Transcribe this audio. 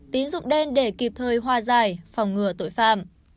tín dụng đen để kịp thời hòa giải phòng ngừa tội phạm